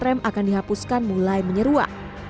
trem uap dihapuskan mulai menyeruak